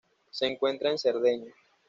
Se encuentra en Cerdeña.